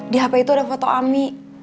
di hp itu ada foto ami